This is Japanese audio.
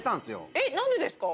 えっ何でですか？